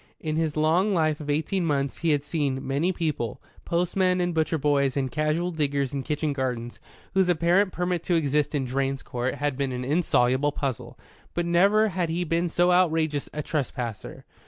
In his long life of eighteen months he had seen many people, postmen and butcher boys and casual diggers in kitchen gardens, whose apparent permit to exist in Drane's Court had been an insoluble puzzle; but never had he seen so outrageous a trespasser.